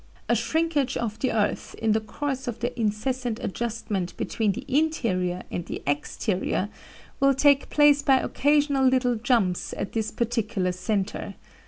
A shrinkage of the earth, in the course of the incessant adjustment between the interior and the exterior, will take place by occasional little jumps at this particular centre.